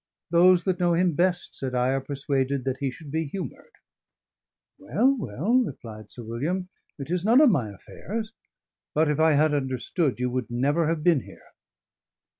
"Those that know him best," said I, "are persuaded that he should be humoured." "Well, well," replied Sir William, "it is none of my affairs. But if I had understood, you would never have been here."